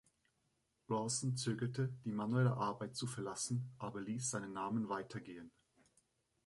Lawson zögerte, die manuelle Arbeit zu verlassen, aber ließ seinen Namen weitergehen.